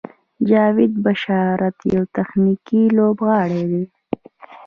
جاوید بشارت یو تخنیکي لوبغاړی دی.